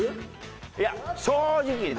いや正直ね